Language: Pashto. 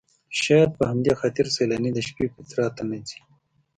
شاید په همدې خاطر سیلاني د شپې پیترا ته نه ځي.